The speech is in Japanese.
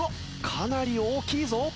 かなり大きいぞ。